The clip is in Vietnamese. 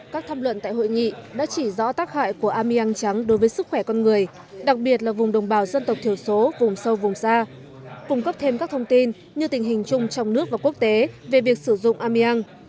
các tham luận tại hội nghị đã chỉ rõ tác hại của aming trắng đối với sức khỏe con người đặc biệt là vùng đồng bào dân tộc thiểu số vùng sâu vùng xa cung cấp thêm các thông tin như tình hình chung trong nước và quốc tế về việc sử dụng ameang